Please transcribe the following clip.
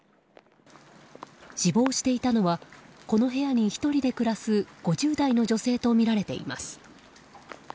死亡していたのはこの部屋に１人で暮らす５０代の女性とみられています。